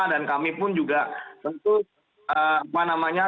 dan kami pun juga tentu apa namanya